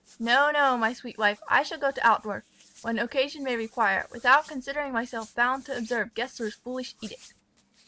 No, no, my sweet wife; I shall go to Altdorf, when occasion may require, without considering myself bound to observe Gessler's foolish edict."